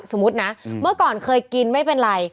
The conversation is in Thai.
สมมุตินะเมื่อก่อนเคยกินไม่เป็นไร